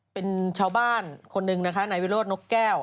เป็นชาวบ้านคนหนึ่งนะคะนายวิโรธนกแก้ว